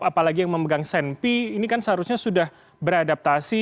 apalagi yang memegang sempi ini kan seharusnya sudah beradaptasi